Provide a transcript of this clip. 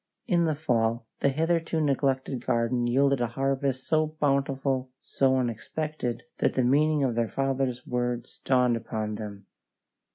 In the fall the hitherto neglected garden yielded a harvest so bountiful, so unexpected, that the meaning of their father's words dawned upon them.